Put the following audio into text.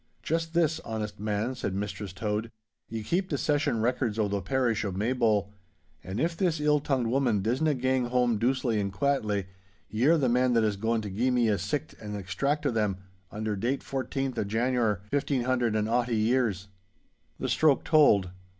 'Just this, honest man,' said Mistress Tode; 'ye keep the Session records o' the parish o' Maybole. And if this ill tongued woman disna gang hame doucely and quaitly, ye are the man that is going to gie me a sicht and extract o' them, under date fourteenth o' Januar, fifteen hundred and aughty years.' The stroke told.